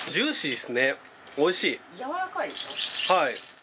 はい。